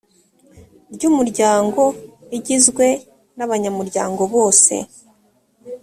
rw umuryango igizwe n abanyamuryango bose